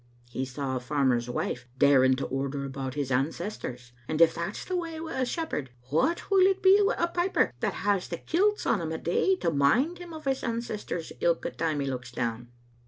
He saw a farmer's wife daur ing to order about his ancestors; and if that's the way wi' a shepherd, what will it be wi' a piper that has the kilts on him a' day to mind him o' his ancestors ilka time he looks down?"